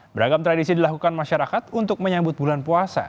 beragam tradisi dilakukan masyarakat untuk menyambut bulan puasa